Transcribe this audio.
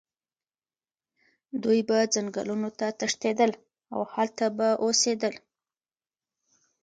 دوی به ځنګلونو ته تښتېدل او هلته به اوسېدل.